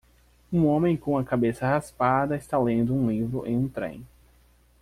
Um homem com a cabeça raspada está lendo um livro em um trem.